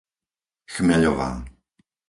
Chmeľová